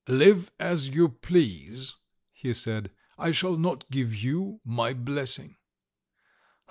"Live as you please!" he said. "I shall not give you my blessing!"